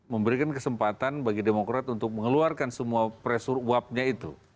memberikan kesempatan bagi demokrat untuk mengeluarkan semua pressure uapnya itu